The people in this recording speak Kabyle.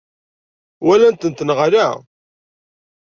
Walant-tent neɣ ala?